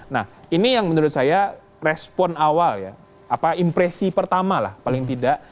nah ini yang menurut saya respon awal ya apa impresi pertama lah paling tidak